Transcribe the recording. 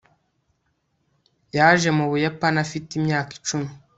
yaje mu buyapani afite imyaka icumi